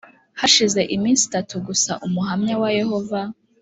Hashize iminsi itatu gusa Umuhamya wa Yehova